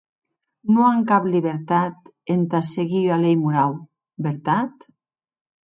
Non an cap libertat entà seguir ua lei morau, vertat?